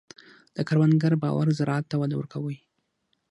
د کروندګر باور زراعت ته وده ورکوي.